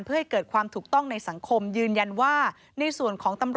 เพื่อให้เกิดความถูกต้องในสังคม